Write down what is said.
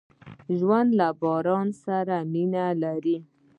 ژوندي له باران سره مینه لري